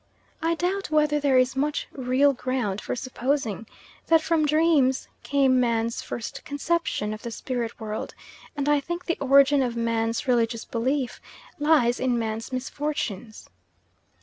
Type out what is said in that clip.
I doubt whether there is much real ground for supposing that from dreams came man's first conception of the spirit world, and I think the origin of man's religious belief lies in man's misfortunes.